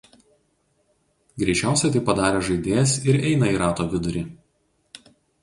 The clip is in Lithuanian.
Greičiausiai tai padaręs žaidėjas ir eina į rato vidurį.